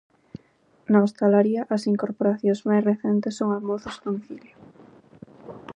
Na hostalaría as incorporacións mais recentes son almorzos a domicilio.